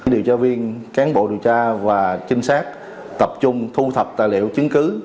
điều tra viên cán bộ điều tra và trinh sát tập trung thu thập tài liệu chứng cứ